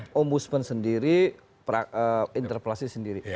ombudsman sendiri interpelasi sendiri